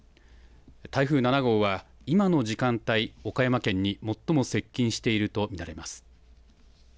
台風７号は今の時間帯、岡山県に最も接近していると見られます。